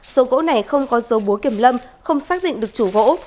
số gỗ này không có dấu búa kiểm lâm không xác định được chủ gỗ